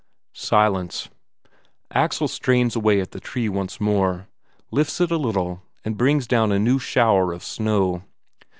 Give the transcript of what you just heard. Silence. Axel strains away at the tree once more, lifts it a little, and brings down a new shower of snow.